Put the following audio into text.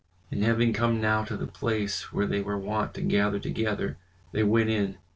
And having come now to the place where they were wont to gather together, they went in.